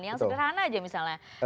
yang sederhana aja misalnya